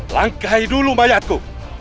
langkai dulu mayatku